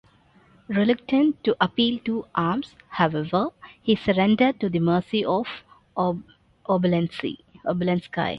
Reluctant to appeal to arms, however, he surrendered to the mercy of Obolensky.